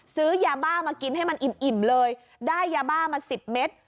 ซื้อยาบ้ามากินให้มันอิ่มเลยได้ยาบ้ามาสิบเมตร